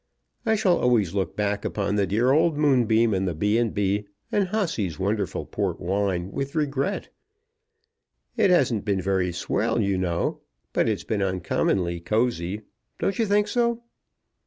I shall always look back upon the dear old Moonbeam, and the B. B., and Hossy's wonderful port wine with regret. It hasn't been very swell, you know, but it's been uncommonly cosy. Don't you think so?"